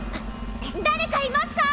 だれかいますか？